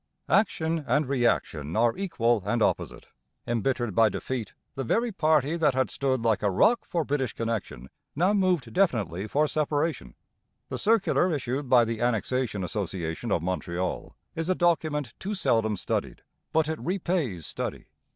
Action and reaction are equal and opposite. Embittered by defeat, the very party that had stood like a rock for British connection now moved definitely for separation. The circular issued by the Annexation Association of Montreal is a document too seldom studied, but it repays study.